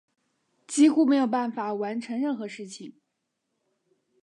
几乎没有办法完成任何事情